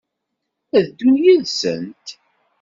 Ad d-ddun yid-sent?